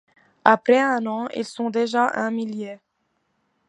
Après un an, ils sont déjà un millier.